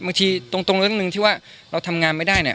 บางทีตรงเรื่องหนึ่งที่ว่าเราทำงานไม่ได้เนี่ย